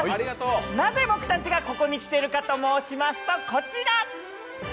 なぜ、僕たちがここに来ているかと申しますと、こちら。